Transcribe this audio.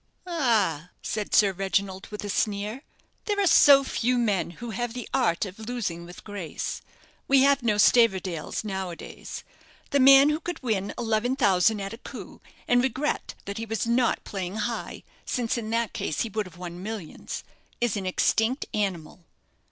"Ah!" said Sir Reginald, with a sneer; "there are so few men who have the art of losing with grace. We have no Stavordales now a days. The man who could win eleven thousand at a coup, and regret that he was not playing high, since in that case he would have won millions, is an extinct animal."